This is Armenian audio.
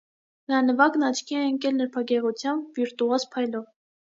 Նրա նվագն աչքի է ընկել նրբագեղությամբ, վիրտուոզ փայլով։